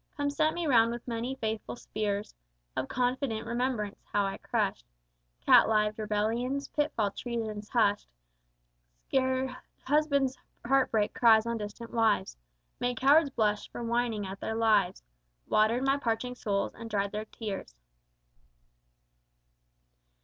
Come set me round with many faithful spears Of confident remembrance how I crushed Cat lived rebellions, pitfalled treasons, hushed Scared husbands' heart break cries on distant wives, Made cowards blush at whining for their lives, Watered my parching souls, and dried their tears.